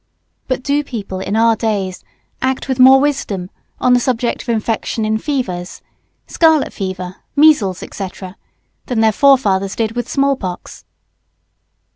But do people in our days act with more wisdom on the subject of "infection" in fevers scarlet fever, measles, &c. than their forefathers did with small pox?